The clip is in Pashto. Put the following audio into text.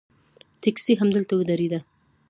ټیکسي همدلته ودرېده.